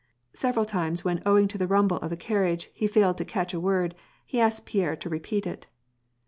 Several times when owing to the rumble of the carriage, he failed to catch a word, he asked Pierre to repeat it.